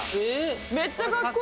めっちゃかっこいい。